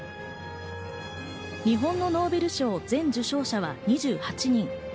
日本のノーベル賞全受賞者は２８人。